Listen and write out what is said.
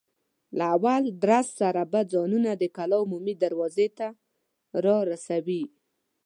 له اول ډز سره به ځانونه د کلا عمومي دروازې ته را رسوئ.